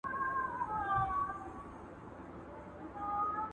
« په لویو غرو کي غل نه ځايیږي»